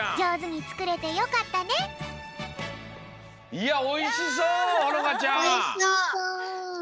いやおいしそうほのかちゃん！